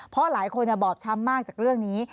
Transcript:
เพราะหลายคนบอบช้ำมากจากเรื่องนี้